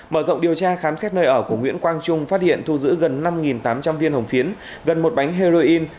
mở rộng điều tra khám xét nơi ở của nguyễn quang trung phát hiện thu giữ gần năm tám trăm linh viên hồng phiến gần một bánh heroin